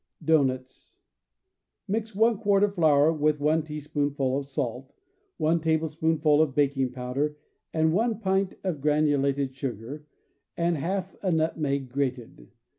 Doughnuts. — Mix one quart of flour with one tea spoonful of salt, one tablespoonful of baking powder and one pint of granulated sugar, and half a nutmeg grated.